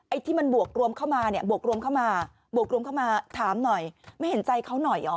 ไอ้ที่มันบวกรวมเข้ามาถามหน่อยไม่เห็นใจเขาหน่อย